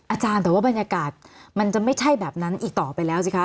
อาจารย์แต่ว่าบรรยากาศมันจะไม่ใช่แบบนั้นอีกต่อไปแล้วสิคะ